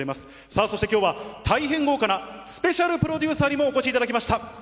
さあそして、きょうは大変豪華なスペシャルプロデューサーにもお越しいただきました。